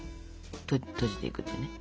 閉じていくというね。